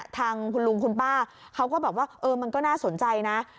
ทางคุณลุงคุณป้าเขาก็บอกว่าเออมันก็น่าสนใจนะ